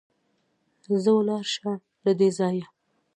ځه ولاړ شه له دې ځايه!